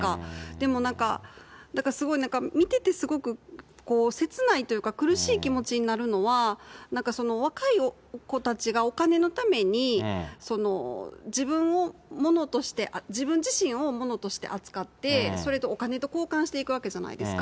でもなんか、すごいなんか、見てて、すごく切ないというか、苦しい気持ちになるのは、なんか若い子たちがお金のために自分を物として、自分自身を物として扱って、それとお金と交換してもらうわけじゃないですか。